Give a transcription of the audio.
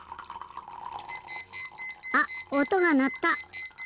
あっおとがなった！